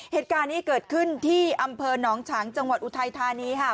เหตุการณ์นี้เกิดขึ้นที่อำเภอหนองฉางจังหวัดอุทัยธานีค่ะ